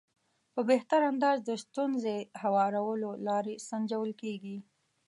په بهتر انداز د ستونزې هوارولو لارې سنجول کېږي.